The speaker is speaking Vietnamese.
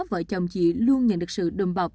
vợ chồng chị luôn nhận được sự đùm bọc